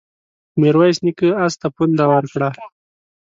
ميرويس نيکه آس ته پونده ورکړه.